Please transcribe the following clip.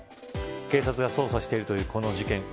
警察が捜査しているというこの事件。